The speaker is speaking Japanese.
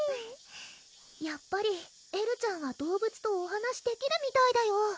やっぱりエルちゃんは動物とお話できるみたいだよ